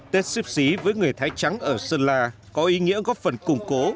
tết xếp xí với người thay trắng ở sơn la có ý nghĩa góp phần củng cố